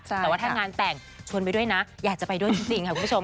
แต่ว่าถ้างานแต่งชวนไปด้วยนะอยากจะไปด้วยจริงค่ะคุณผู้ชม